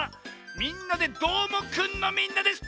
「みんなＤＥどーもくん！」のみんなです！